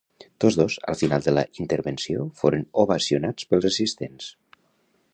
Tots dos, al final de la intervenció, foren ovacionats pels assistents.